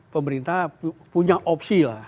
pemerintah punya opsi lah